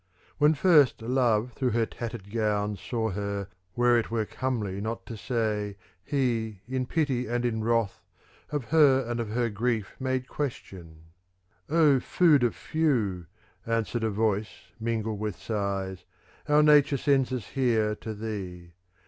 When first love through her tattered gown Saw her where it were comely not to say, he, in pity and in wrath, of her and of her grief made question :' Oh food of few,' answered a voice mingled with sighs, ' our nature sends us here to thee.